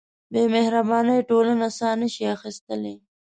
بېمهربانۍ ټولنه ساه نهشي اخیستلی.